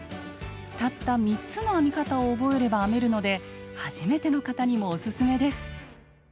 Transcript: たった３つの編み方を覚えれば編めるので初めての方にもおすすめです。